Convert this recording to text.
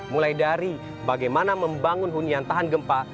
mulai dari bagaimana membangun hunian tahan gempa